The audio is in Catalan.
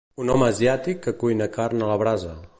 Un home asiàtic que cuina carn a la brasa.